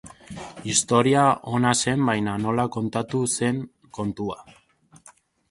Istorioa ona zen, baina nola kontatu zen kontua.